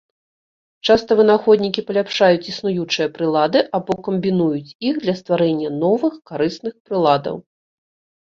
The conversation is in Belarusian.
Часта вынаходнікі паляпшаюць існуючыя прылады або камбінуюць іх для стварэння новых карысных прыладаў.